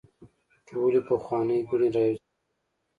ټولې پخوانۍ ګڼې رايوځاي کول